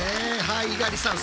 猪狩さん